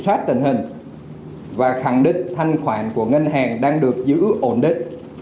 chúng tôi đã kiểm tra tình hình và khẳng định thanh khoản của ngân hàng đang được giữ ổn định